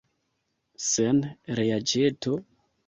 Sen reaĉeto?